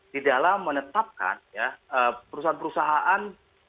di dalam menetapkan perusahaan perusahaan